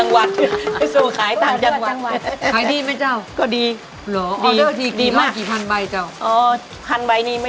เข้าทำตำรวจจังหวัดค่ะตำรวจจังหวัดค่ะ